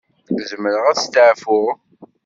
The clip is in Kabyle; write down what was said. Zemreɣ ad steɛfuɣ?